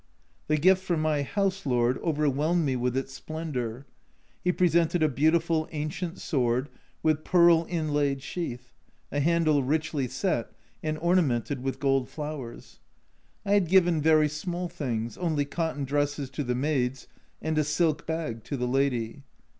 The gift from my house lord over whelmed me with its splendour : he presented a beautiful ancient sword, with pearl inlaid sheath, a handle richly set, and ornamented with gold flowers. I had given very small things, only cotton dresses to the maids, and a silk bag to the lady.